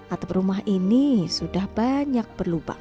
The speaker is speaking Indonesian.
atap rumah ini sudah banyak berlubang